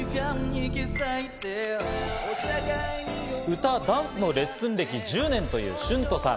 歌、ダンスのレッスン歴１０年というシュントさん。